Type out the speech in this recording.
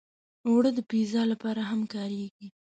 اوړه د پیزا لپاره هم کارېږي